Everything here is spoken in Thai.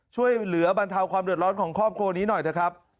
ช่วยเหลือบรรเทาความเดือดร้อนของครอบครัวนี้หน่อยเถอะครับ